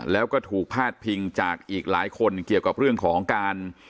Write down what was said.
แล้วก็ถูกพาดพิงจากอีกหลายคนเกี่ยวกับเรื่องของการ